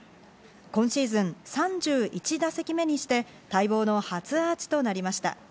今シーズン、３１打席目にして待望の初アーチとなりました。